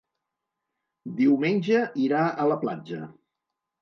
Diumenge irà a la platja.